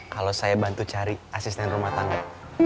kalau saya bantu cari asisten rumah tangga